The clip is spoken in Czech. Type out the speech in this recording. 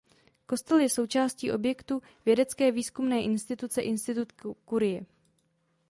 Kostel je součástí objektu vědecké výzkumné instituce Institut Curie.